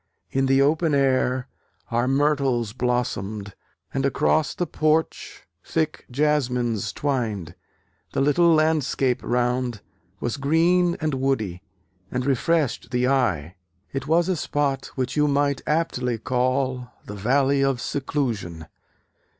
In the open air Our Myrtles blossom'd; and across the Porch Thick Jasmins twin'd: the little landscape round, Was green and woody, and refresh'd the eye. It was a spot which you might aptly call The Valley of Seclusion!